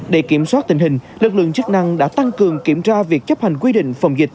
để kiểm soát tình hình lực lượng chức năng đã tăng cường kiểm tra việc chấp hành quy định phòng dịch